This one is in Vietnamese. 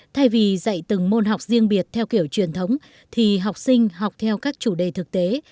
thay vì dạy từng môn học riêng biệt theo kiểu truyền thống thì học sinh học theo các chủ đề thực tế